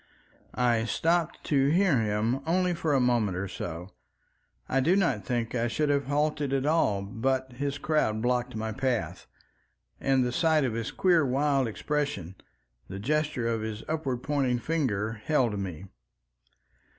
I stopped to hear him only for a moment or so. I do not think I should have halted at all but his crowd blocked my path, and the sight of his queer wild expression, the gesture of his upward pointing finger, held me.